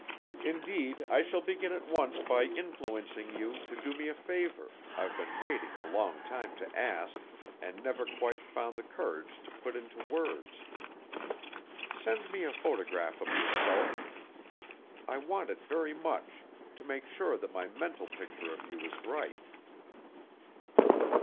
Indeed, I shall begin at once by influencing you to do me a favor, I've been waiting a long time to ask, and never quite found the courage to put into words. Send me a photograph of yourself. I want it very much, to make sure that my mental picture of you is right."